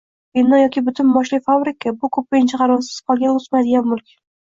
bino yoki butunboshli fabrika – bu ko‘pincha qarovsiz qolgan, o‘smaydigan mulk.